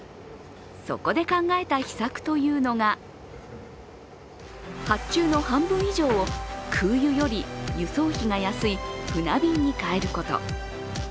そこで考えた秘策というのが、発注の半分以上を空輸より輸送費が安い船便に変えること。